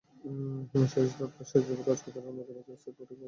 শেষ ধাপে সমস্ত কাগজপত্র ন্যূনতম চার সেট ফটোকপি করে রোটারি করতে হবে।